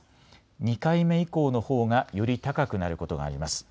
２回目以降のほうがより高くなることがあります。